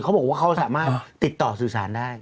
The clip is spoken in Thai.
เขาบอกว่าเขาสามารถติดต่อสื่อสารได้